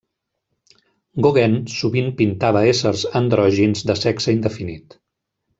Gauguin sovint pintava éssers andrògins de sexe indefinit.